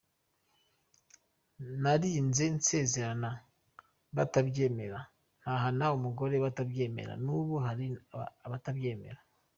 Narinze nsezerana batabyemera, ntahana umugore batabyemera n’ubu hari abatarabyemera.